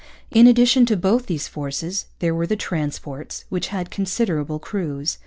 In addition to both these forces there were the transports, which had considerable crews.